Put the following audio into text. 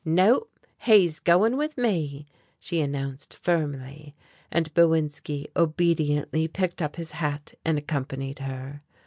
"No, he's going with me!" she announced firmly, and Bowinski obediently picked up his hat and accompanied her.